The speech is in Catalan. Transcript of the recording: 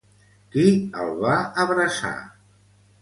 Qui el va abraçar?